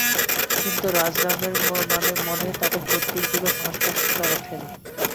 কিন্তু রাজারামের মনে তাঁদের পৈত্রিক যুগের সংস্কার ছিল অটল।